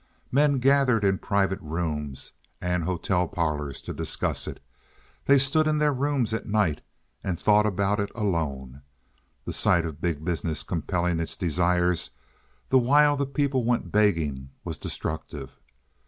Men gathered in private rooms and hotel parlors to discuss it. They stood in their rooms at night and thought about it alone. The sight of big business compelling its desires the while the people went begging was destructive.